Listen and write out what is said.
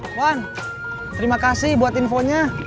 wan terima kasih buat infonya